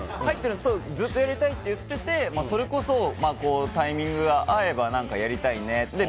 ずっとやりたいって言っててそれこそ、タイミングが合えば何かやりたいねって。